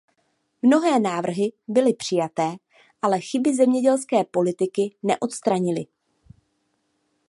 Mnohé návrhy byly přijaté, ale chyby zemědělské politiky neodstranily.